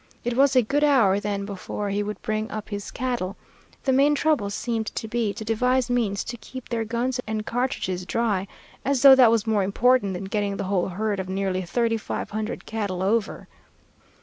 It was a good hour then before he would bring up his cattle. The main trouble seemed to be to devise means to keep their guns and cartridges dry, as though that was more important than getting the whole herd of nearly thirty five hundred cattle over.